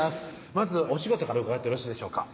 まずお仕事から伺ってよろしいでしょうか？